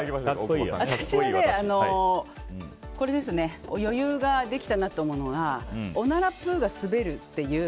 私は余裕ができたなと思うのはおならプがスベるっていう。